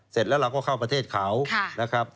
เสร็จแล้วเราก็เข้าประเทศเขานะครับ